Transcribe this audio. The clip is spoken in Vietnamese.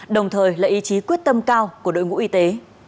đồng thời là ý chí quyết tâm cao của đội ngũ y tế